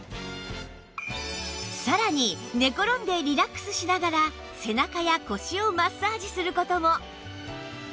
さらに寝転んでリラックスしながら背中や腰をマッサージする事も